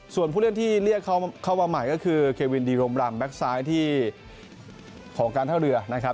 ส่วนผู้เล่นที่เรียกเข้ามาใหม่ก็คือเควินดีรมรำแก๊กซ้ายที่ของการท่าเรือนะครับ